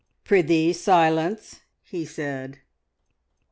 "Prithee, silence!" he said.